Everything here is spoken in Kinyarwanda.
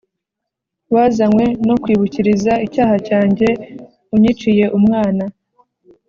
Wazanywe no kwibukiriza icyaha cyanjye, unyiciye umwana!